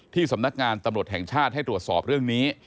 สำนักงานตำรวจแห่งชาติให้ตรวจสอบเรื่องนี้